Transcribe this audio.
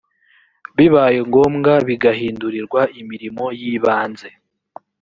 bibaye ngombwa bigahindurirwa imirimo y ibanze